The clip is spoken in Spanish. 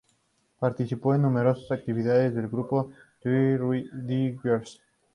Participó en numerosas actividades del grupo The Diggers.